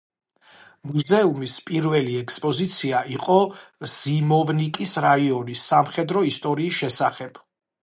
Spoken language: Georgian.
მუზეუმის პირველი ექსპოზიცია იყო ზიმოვნიკის რაიონის სამხედრო ისტორიის შესახებ.